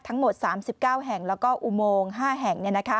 ทั้งหมด๓๙แห่งแล้วก็อุโมง๕แห่ง